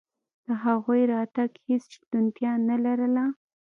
د هغوی راتګ هېڅ شونتیا نه لرله.